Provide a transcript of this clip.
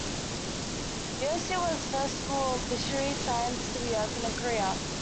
Yosu was the first school of fisheries science to be opened in Korea.